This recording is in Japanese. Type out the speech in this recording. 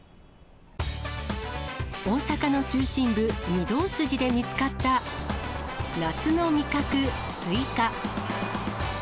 大阪の中心部、御堂筋で見つかった夏の味覚、スイカ。